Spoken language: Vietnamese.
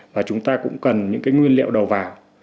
và chúng ta cũng cần những cái nguyên liệu đầu vào